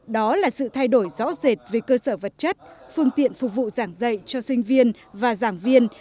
đó là sự thay đổi rõ rệt về cơ sở vật chất phương tiện phục vụ giảng dạy cho sinh viên và giảng viên